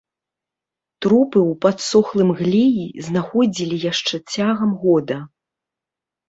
Трупы ў падсохлым глеі знаходзілі яшчэ цягам года.